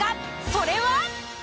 それは。